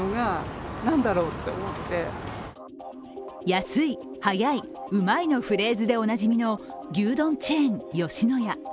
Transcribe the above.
安い、早い、うまいのフレーズでおなじみの牛丼チェーン吉野家。